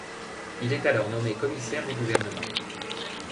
Il est alors nommé commissaire du gouvernement.